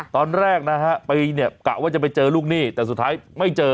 ตอนแรกนะฮะไปเนี่ยกะว่าจะไปเจอลูกหนี้แต่สุดท้ายไม่เจอ